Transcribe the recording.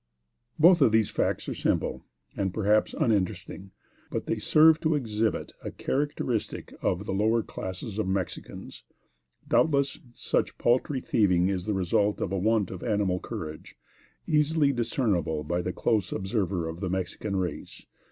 Both of these facts are simple, and perhaps, uninteresting; but they serve to exhibit a characteristic of the lower classes of Mexicans. Doubtless, such paltry thieving is the result of a want of animal courage, easily discernible by the close observer of the Mexican race.